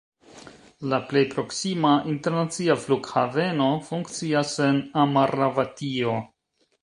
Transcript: La plej proksima internacia flughaveno funkcias en Amaravatio.